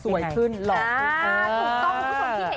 สวยขึ้นหลอกขึ้น